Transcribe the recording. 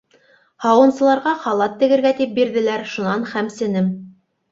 Һауынсыларға халат тегергә тип бирҙеләр, шунан хәмсенем.